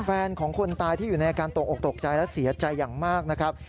แฟนของคนตายที่อยู่ในอาการตกออกตกใจและเสียใจอย่างมากนะครับ